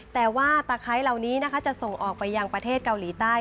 แต่ว่าตะไคร้เหล่านี้นะคะจะส่งออกไปยังประเทศเกาหลีใต้